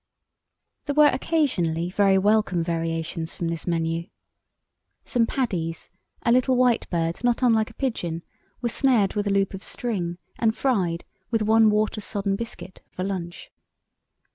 There were occasionally very welcome variations from this menu. Some paddies—a little white bird not unlike a pigeon—were snared with a loop of string, and fried, with one water sodden biscuit, for lunch.